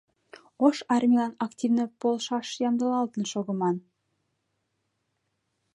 Ош армийлан активно полшаш ямдылалтын шогыман.